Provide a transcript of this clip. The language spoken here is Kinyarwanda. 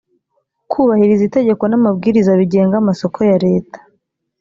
kubahiriza itegeko n amabwiririza bigenga amasoko ya leta